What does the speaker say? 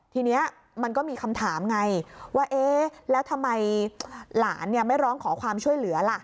ทีนี้มันก็มีคำถามไงว่าเอ๊ะแล้วทำไมหลานไม่ร้องขอความช่วยเหลือล่ะ